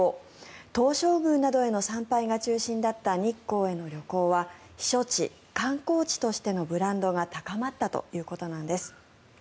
東照宮などへの参拝が中心だった日光への旅行は避暑地・観光地としてのブランドが高まったということなんです。